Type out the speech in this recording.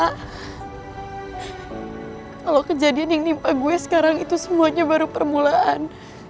kalau kejadian yang menimpa gue sekarang itu semuanya baru permulaan